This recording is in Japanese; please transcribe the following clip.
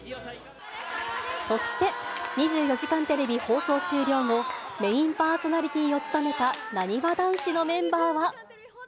そして、２４時間テレビ放送終了後、メインパーソナリティーを務めたなにわ男子のメンバーは。